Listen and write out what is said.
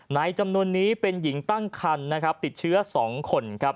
ในจำนวนนี้เป็นหญิงตั้งคันติดเชื้อ๒คน